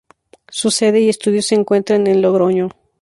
Su sede y estudios se encuentran en Logroño.